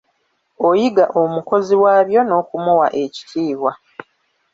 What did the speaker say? Oyiga omukozi waabyo n'okumuwa ekitiibwa.